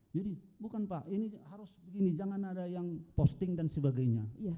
jadi bukan pak ini harus begini jangan ada yang posting dan sebagainya